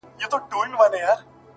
کلونه کيږي چي هغه پر دې کوڅې نه راځي!!